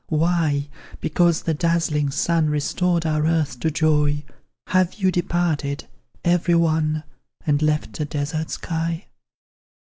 why, because the dazzling sun Restored our Earth to joy, Have you departed, every one, And left a desert sky?